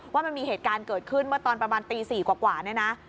ว่ามันมีเหตุการณ์เกิดขึ้นเมื่อตอนประมาณตี๔กว่าเนี่ยนะ